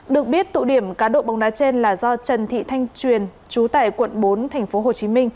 được biết tụ điểm cá độ bóng đá trên là do trần thị thanh truyền chú tại quận bốn tp hcm